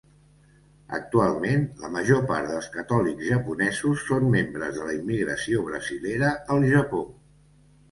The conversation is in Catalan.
Actualment, la major part dels catòlics japonesos són membres de la immigració brasilera al Japó.